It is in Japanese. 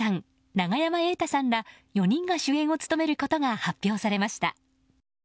永山瑛太さんら４人が主演を務めることが発表されました。